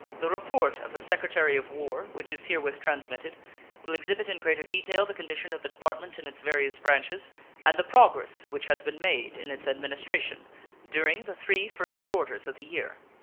The report of the Secretary of War, which is herewith transmitted, will exhibit in greater detail the condition of the Department in its various branches, and the progress which has been made in its administration during the three first quarters of the year.